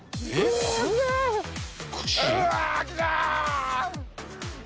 うわきた！